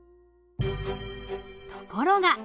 ところが！